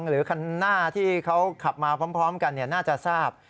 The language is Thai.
หรือคันหน้าที่เขาขับมาพร้อมกันน่าจะทราบ